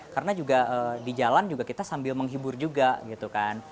karena juga di jalan juga kita sambil menghibur juga gitu kan